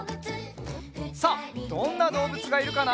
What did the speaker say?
さあどんなどうぶつがいるかな？